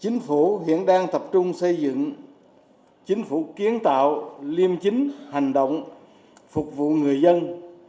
chính phủ hiện đang tập trung xây dựng chính phủ kiến tạo liêm chính hành động phục vụ người dân